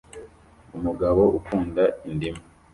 Umugabo ukunda indimu